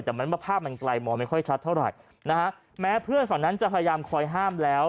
แต่มันว่าภาพมันไกลมองไม่ค่อยชัดเท่าไหร่นะฮะแม้เพื่อนฝั่งนั้นจะพยายามคอยห้ามแล้ว